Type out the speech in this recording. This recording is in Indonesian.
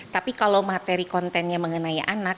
tapi kalau materi kontennya mengenai anak